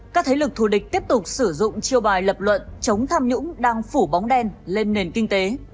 các thế lực thù địch tiếp tục sử dụng chiêu bài lập luận chống tham nhũng đang phủ bóng đen lên nền kinh tế